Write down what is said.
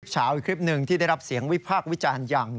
อีกคลิปหนึ่งที่ได้รับเสียงวิพากษ์วิจารณ์อย่าง